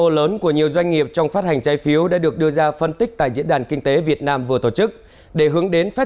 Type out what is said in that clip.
sức nóng của trái phiếu doanh nghiệp đã tăng dần từ cuối năm